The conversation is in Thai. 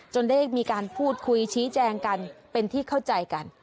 ได้มีการพูดคุยชี้แจงกันเป็นที่เข้าใจกัน